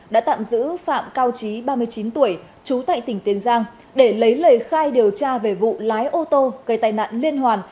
đã tạm giữ phạm cao trí ba mươi chín tuổi trú tại tỉnh tiền giang để lấy lời khai điều tra về vụ lái ô tô gây tai nạn liên hoàn